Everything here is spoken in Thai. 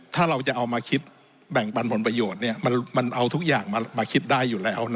ถ้าเราจะเอามาคิดแบ่งปันผลประโยชน์มันเอาทุกอย่างมาคิดได้อยู่แล้วนะ